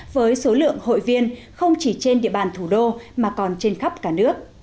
với số lượng hội viên không chỉ trên địa bàn thủ đô mà còn trên khắp cả nước